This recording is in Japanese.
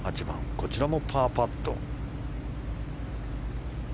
こちらもパーパット。